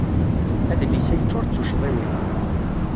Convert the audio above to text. Adlis-a yeccuṛ d tuccḍiwin.